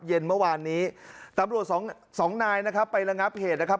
เย็นเมื่อวานนี้ตำรวจสองสองนายนะครับ